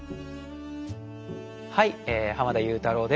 はい濱田祐太郎です。